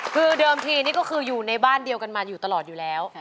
คือเดิมทีนี่ก็คืออยู่ในบ้านเดียวกันมาอยู่ตลอดอยู่แล้ว